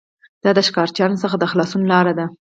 دا د ښکارچیانو څخه د خلاصون لاره ده